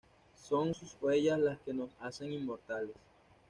Son sus huellas las que nos hacen inmortales.